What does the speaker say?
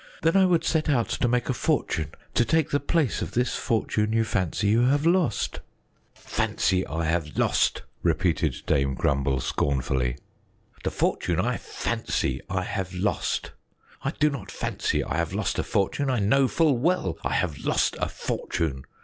Then I would set off to make a fortune to take the place of this fortune you fancy you have lost." "Fancy I have lost!" repeated Dame Grumble scornfully. "The fortune I fancy I have lost! I do not fancy I have lost a fortune; I know full well I have lost a fortune.